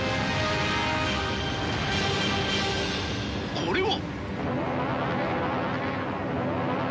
これは。